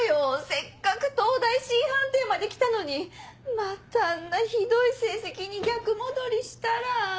せっかく東大Ｃ判定まで来たのにまたあんなひどい成績に逆戻りしたら。